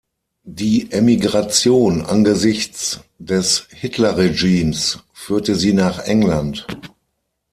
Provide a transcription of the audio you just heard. Die Emigration angesichts des Hitler-Regimes führte sie nach England.